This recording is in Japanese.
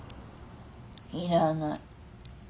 いらない。